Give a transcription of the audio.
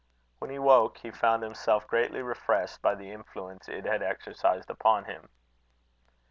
When he woke he found himself greatly refreshed by the influence it had exercised upon him.